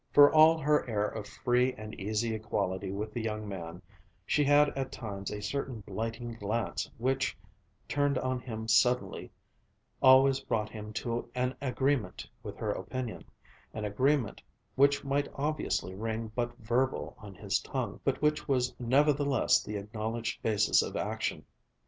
For all her air of free and easy equality with the young man, she had at times a certain blighting glance which, turned on him suddenly, always brought him to an agreement with her opinion, an agreement which might obviously ring but verbal on his tongue, but which was nevertheless the acknowledged basis of action.